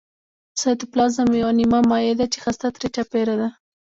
سایتوپلازم یوه نیمه مایع ماده ده چې هسته ترې چاپیره ده